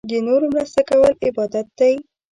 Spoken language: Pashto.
د نورو مرسته کول عبادت دی.